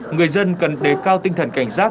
người dân cần đề cao tinh thần cảnh giác